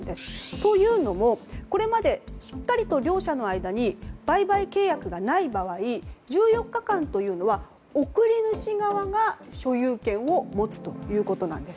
というのも、これまでしっかりと業者の間に売買契約がない場合１４日間というのは送り主側が所有権を持つということなんです。